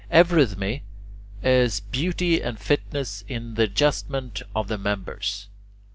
3. Eurythmy is beauty and fitness in the adjustments of the members.